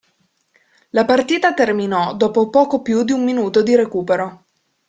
La partita terminò dopo poco più di un minuto di recupero.